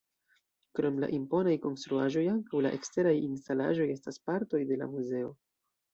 Krom la imponaj konstruaĵoj ankaŭ la eksteraj instalaĵoj estas partoj de la muzeo.